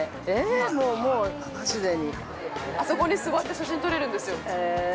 ◆もう既に◆あそこに座って写真撮れるんですよ。